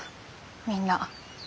みんな。